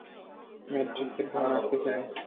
ম্যাট্রিক্সের ভ্রমে আটকে ছিল!